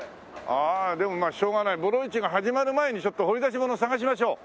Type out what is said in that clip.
ああでもまあしょうがないボロ市が始まる前にちょっと掘り出し物探しましょう。